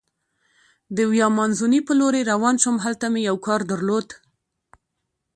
د ویا مانزوني په لورې روان شوم، هلته مې یو کار درلود.